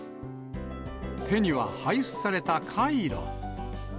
手には配布されたカイロ。